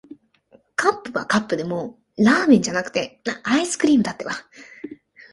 カップはカップでも、ラーメンじゃなくて、アイスクリームだってば。